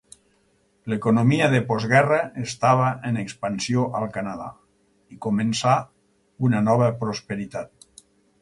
L'economia de postguerra estava en expansió al Canadà, i començà una nova prosperitat.